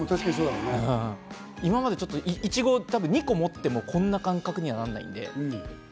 今までちょっと、いちごを２個持っても、こんな感覚にはならないので。